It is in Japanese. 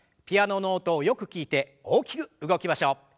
ピアノの音をよく聞いて大きく動きましょう。